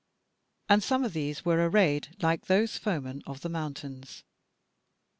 And some of these were arrayed like those foemen of the mountains.